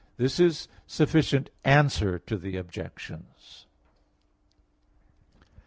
This is a sufficient answer to the Objections.